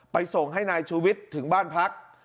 ส่งให้นายชูวิทย์ถึงบ้านพัก